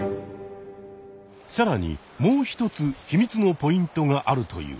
さらにもう一つ秘密のポイントがあるという。